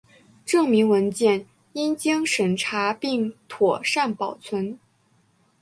证明文件应经审查并妥善保存